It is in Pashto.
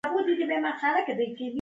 هغوى بغاوت کړى.